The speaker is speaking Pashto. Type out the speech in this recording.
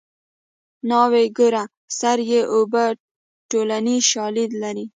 ناوې ګوره سر یې اوبه ټولنیز شالید لري